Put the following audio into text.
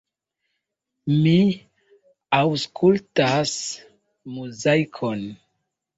Mi aŭskultas Muzaikon.